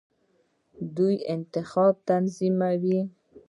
دوی انتخابات تنظیموي.